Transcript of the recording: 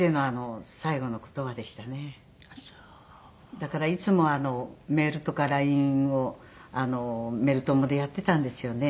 だからいつもメールとかＬＩＮＥをメル友でやってたんですよね。